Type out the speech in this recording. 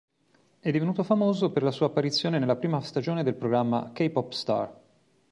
È divenuto famoso per la sua apparizione nella prima stagione del programma "K-pop Star".